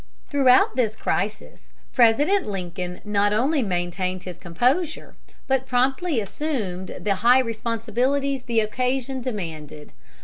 Throughout this crisis President Lincoln not only maintained his composure, but promptly assumed the high responsibilities the occasion demanded.